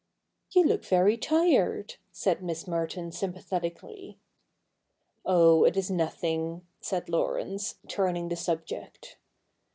' You look very tired,' said Miss Merton sympathetic ally. ' Oh, it is nothing,' said Laurence, turning the subject.